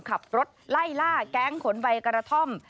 ขับรถไล่ล่าแก๊งขนใบกระท่อม